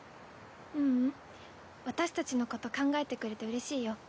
ううん私たちのこと考えてくれてうれしいよ。